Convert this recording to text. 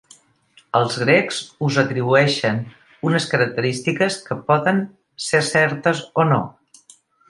Als grecs us atribueixen unes característiques que poden ser certes o no.